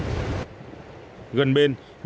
gần bên nhà vợ chồng đã đặt đồ cho nhà vợ chồng